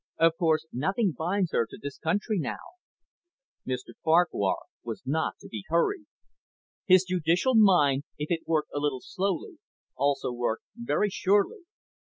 Of course nothing binds her to this country now." Mr Farquhar was not to be hurried. His judicial mind, if it worked a little slowly, also worked very surely.